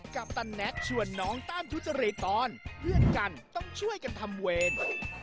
ปันแน็กชวนน้องต้านทุจริตตอนเพื่อนกันต้องช่วยกันทำเวร